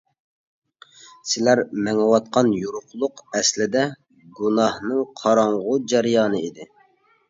سىلەر مېڭىۋاتقان يورۇقلۇق ئەسلىدە گۇناھنىڭ قاراڭغۇ جەريانى ئىدى.